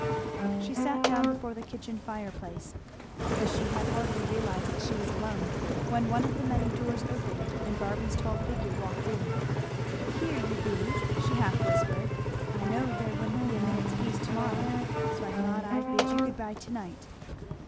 She sat down before the kitchen fire place, but she had hardly realized that she was alone when one of the many doors opened and Barby's tall figure walked in. "Here you be," she half whispered. "I knowed there wouldn't be a minute's peace to morrow; so I thought I'd bid you good bye to night."